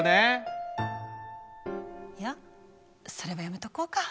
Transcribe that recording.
いやそれはやめとこうか。